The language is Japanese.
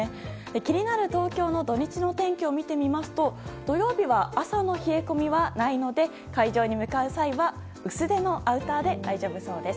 気になる東京の土日の天気を見てみますと土曜日は朝の冷え込みはないので会場に向かう際は薄手のアウターで大丈夫そうです。